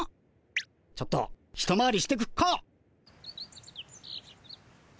ちょっと一回りしてくっか。